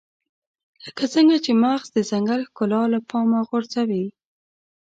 لکه څنګه چې مغز د ځنګل ښکلا له پامه غورځوي.